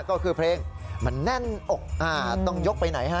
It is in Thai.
ก็คือเพลงมันแน่นอกต้องยกไปไหนฮะ